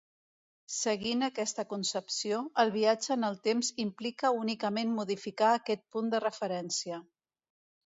Seguint aquesta concepció, el viatge en el temps implica únicament modificar aquest punt de referència.